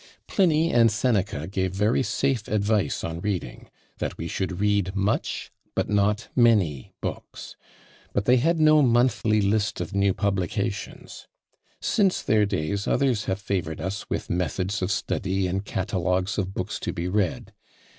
Pliny and Seneca give very safe advice on reading: that we should read much, but not many books but they had no "monthly list of new publications!" Since their days others have favoured us with "Methods of Study," and "Catalogues of Books to be Read."